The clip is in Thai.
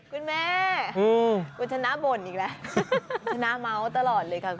คุณแม่คุณชนะบ่นอีกแล้วชนะเม้าตลอดเลยค่ะคุณแม่ค่ะ